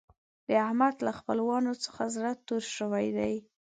د احمد له خپلوانو څخه زړه تور شوی دی.